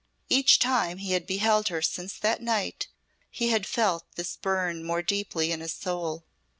Each time he had beheld her since that night he had felt this burn more deeply in his soul.